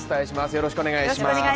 よろしくお願いします